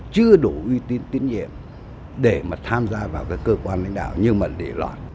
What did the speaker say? chưa đủ uy tín tín nhiệm để mà tham gia vào cái cơ quan lãnh đạo nhưng mà để lọt